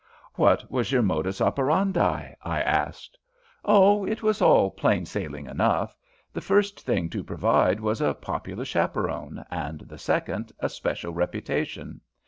"What was your modus operandi?" I asked. "Oh, it was all plain sailing enough. The first thing to provide was a popular chaperon, and the second a special reputation.